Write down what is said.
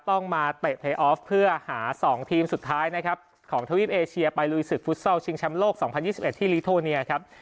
ต้องมาเตะไทยออฟเพื่อหา๒ทีมสุดท้ายนะครับของทวีปเอเชียไปลุยศึกฟุตซอลชิงแชมป์โลก๒๐๒๑ที่ลิโทเนียครับ